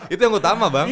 itu yang utama bang